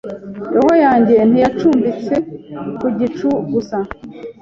Roho yanjye ntiyacumbitse ku gicu gusa